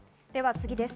次です。